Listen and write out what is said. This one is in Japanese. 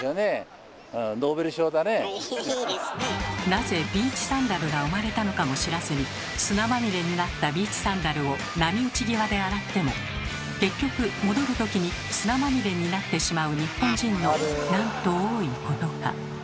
なぜビーチサンダルが生まれたのかも知らずに砂まみれになったビーチサンダルを波打ち際で洗っても結局戻る時に砂まみれになってしまう日本人のなんと多いことか。